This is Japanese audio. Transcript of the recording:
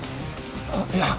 いや